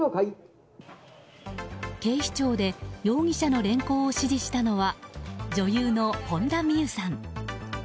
警視庁で容疑者の連行を指示したのは女優の本田望結さん。